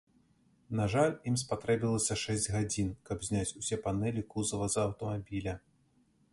На жаль, ім спатрэбілася шэсць гадзін, каб зняць усе панэлі кузава з аўтамабіля.